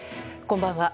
こんばんは。